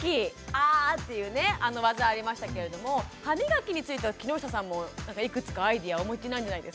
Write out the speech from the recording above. あっていうねあの技ありましたけれども歯磨きについては木下さんもいくつかアイデアお持ちなんじゃないですか？